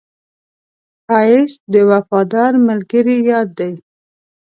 ښایست د وفادار ملګري یاد دی